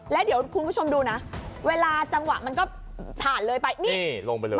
แล้วเดี๋ยวคุณผู้ชมดูนะเวลาจังหวะมันก็ผ่านเลยไปนี่ลงไปเลย